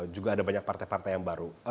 juga ada banyak partai partai yang baru